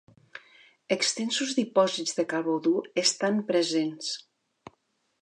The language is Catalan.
Extensos dipòsits de carbó dur estan presents.